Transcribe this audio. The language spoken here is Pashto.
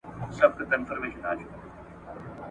چي یې سرونه د بګړۍ وړ وه ,